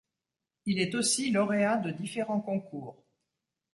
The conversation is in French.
Il est aussi lauréat de différents concours.